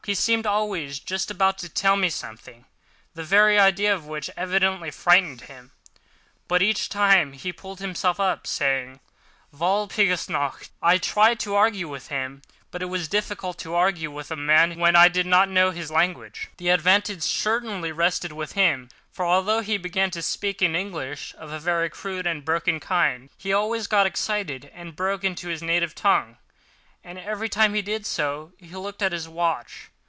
He seemed always just about to tell me something—the very idea of which evidently frightened him; but each time he pulled himself up, saying, as he crossed himself: "Walpurgis Nacht!" I tried to argue with him, but it was difficult to argue with a man when I did not know his language. The advantage certainly rested with him, for although he began to speak in English, of a very crude and broken kind, he always got excited and broke into his native tongue—and every time he did so, he looked at his watch.